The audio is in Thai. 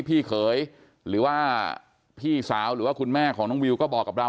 พี่เขยหรือว่าพี่สาวหรือว่าคุณแม่ของน้องวิวก็บอกกับเรา